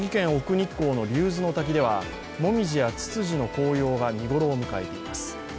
日光の竜頭ノ滝では紅葉やつつじの紅葉が見頃を迎えています。